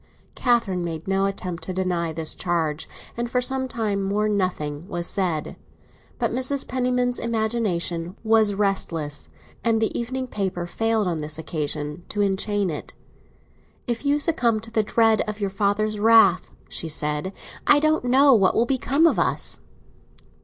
Catherine made no attempt to deny this charge, and for some time more nothing was said. But Mrs. Penniman's imagination was restless, and the evening paper failed on this occasion to enchain it. "If you succumb to the dread of your father's wrath," she said, "I don't know what will become of us."